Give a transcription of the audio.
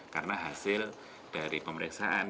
karena hasil dari pemeriksaan